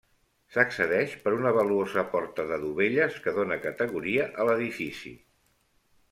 S'accedeix per una valuosa porta de dovelles que dóna categoria a l'edifici.